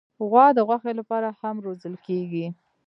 غوا د غوښې لپاره هم روزل کېږي.